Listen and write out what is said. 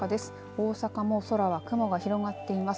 大阪も空は雲が広がっています。